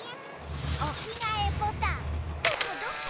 おきがえボタンどこ？